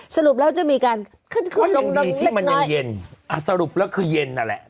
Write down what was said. สรุปแล้วจะมีการขึ้นลงดีที่มันยังเย็นอ่ะสรุปแล้วคือเย็นนั่นแหละ